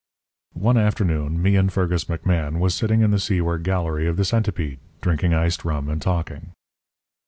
"One afternoon me and Fergus McMahan was sitting on the seaward gallery of the Centipede, drinking iced rum and talking.